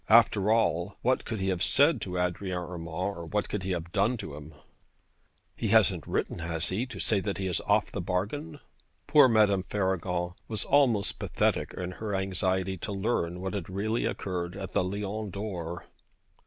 After all, what could he have said to Adrian Urmand? or what could he have done to him? 'He hasn't written, has he, to say that he is off his bargain?' Poor Madame Faragon was almost pathetic in her anxiety to learn what had really occurred at the Lion d'Or.